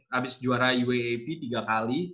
habis juara uap tiga kali